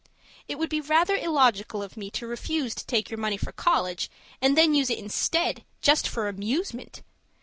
It would be rather illogical of me to refuse to take your money for college, and then use it instead just for amusement!